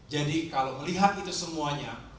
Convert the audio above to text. jadi kalau melihat itu semuanya